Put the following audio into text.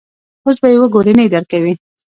اوس به یې وګورې، نه یې درکوي.